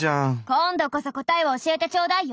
今度こそ答えを教えてちょうだいよ。